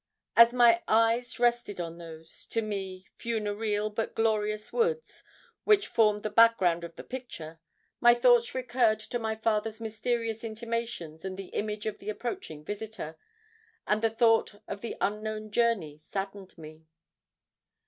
As my eyes rested on those, to me, funereal but glorious woods, which formed the background of the picture, my thoughts recurred to my father's mysterious intimations and the image of the approaching visitor; and the thought of the unknown journey saddened me.